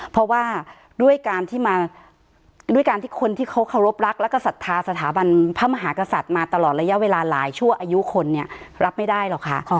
เพราะว่าด้วยการที่มาด้วยการที่คนที่เขาเคารพรักแล้วก็ศรัทธาสถาบันพระมหากษัตริย์มาตลอดระยะเวลาหลายชั่วอายุคนเนี่ยรับไม่ได้หรอกค่ะ